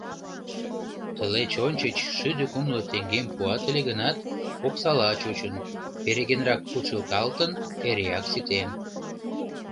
Тылеч ончыч шӱдӧ кумло теҥгем пуат ыле гынат, оксала чучын, перегенрак кучылталтын, эреак ситен.